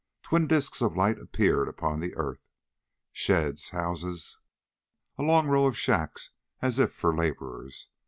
Twin disks of light appeared upon the earth. Sheds, houses, a long row of shacks as if for laborers.